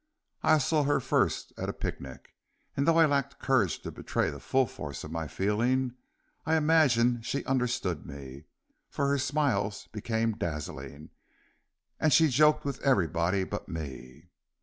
I saw her first at a picnic, and though I lacked courage to betray the full force of my feeling, I imagined she understood me, for her smiles became dazzling, and she joked with everybody but me.